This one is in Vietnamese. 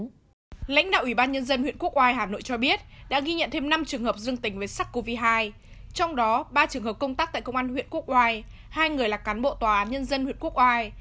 tiêu chí chín lãnh đạo ủy ban nhân dân huyện quốc oai cho biết đã ghi nhận thêm năm trường hợp dương tính với sắc covid hai trong đó ba trường hợp công tác tại công an huyện quốc oai hai người là cán bộ tòa án nhân dân huyện quốc oai